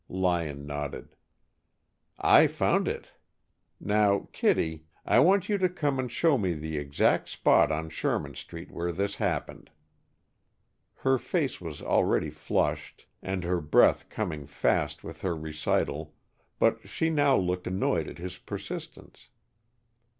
Lyon nodded. "I found it. Now, Kittie, I want you to come and show me the exact spot on Sherman Street where this happened." Her face was already flushed and her breath coming fast with her recital, but she now looked annoyed at his persistence.